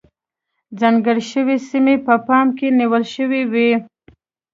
ځانګړې شوې سیمې په پام کې نیول شوې وې.